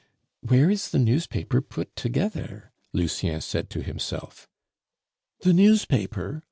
"Where is the newspaper put together?" Lucien said to himself. "The newspaper?"